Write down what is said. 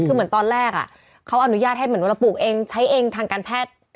คือเหมือนตอนแรกเขาอนุญาตให้เหมือนเวลาปลูกเองใช้เองทางการแพทย์